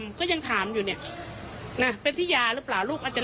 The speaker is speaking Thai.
แม่ก็เลยบอกให้มามอบตัวตายแต่ว่าส่วนหนึ่งก็เพราะลูกชาย